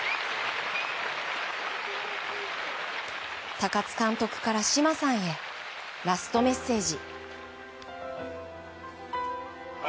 高津監督から嶋さんへラストメッセージ。